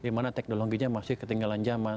di mana teknologinya masih ketinggalan zaman